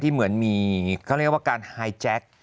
เหมือนมีเขาเรียกว่าการไฮแจ็ค